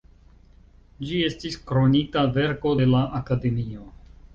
Ĝi estis Kronita verko de la Akademio.